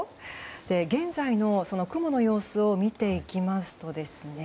現在の雲の様子を見ていきます。